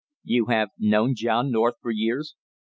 "You have known John North for years?"